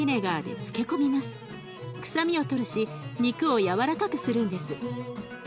臭みを取るし肉をやわらかくするんです。